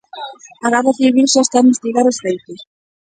A Garda civil xa está a investigar os feitos.